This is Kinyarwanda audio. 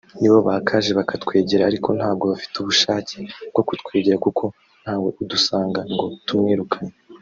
nibo bakaje bakatwegera ariko ntabwo bafite ubushake bwo kutwegera kuko ntawe udusanga ngo tumwirukane